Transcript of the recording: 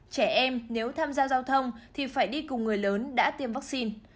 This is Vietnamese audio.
trẻ em nếu tham gia giao thông thì phải đi cùng người lớn đã tiêm vaccine